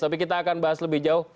tapi kita akan bahas lebih jauh